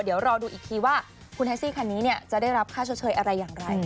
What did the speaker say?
เดี๋ยวรอดูอีกทีว่าคุณแท็กซี่คันนี้จะได้รับค่าชดเชยอะไรอย่างไร